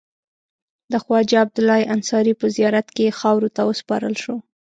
د خواجه عبدالله انصاري په زیارت کې خاورو ته وسپارل شو.